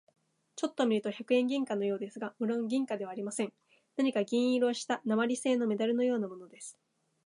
ちょっと見ると百円銀貨のようですが、むろん銀貨ではありません。何か銀色をした鉛製なまりせいのメダルのようなものです。